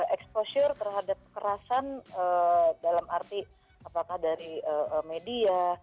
exposure terhadap kekerasan dalam arti apakah dari media